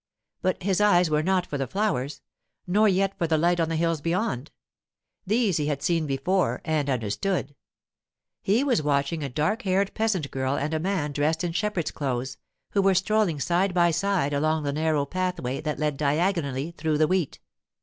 But his eyes were not for the flowers, nor yet for the light on the hills beyond—these he had seen before and understood. He was watching a dark haired peasant girl and a man dressed in shepherd's clothes, who were strolling side by side along the narrow pathway that led diagonally through the wheat.